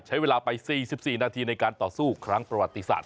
ใช้เวลาไป๔๔นาทีในการต่อสู้ครั้งประวัติศาสต